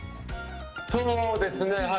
そうですね。